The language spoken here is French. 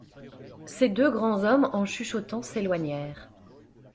Ces deux grands hommes en chuchotant s'éloignèrent.